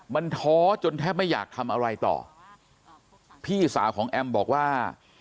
มันท้อจนแทบไม่อยากทำอะไรต่อพี่สาวของแอมบอกว่า